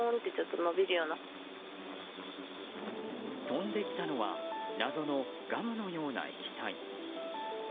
飛んできたのは謎のガムのような液体。